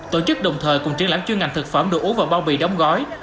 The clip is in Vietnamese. tổ chức đồng thời cùng triển lãm chuyên ngành thực phẩm đồ uống và bao bì đóng gói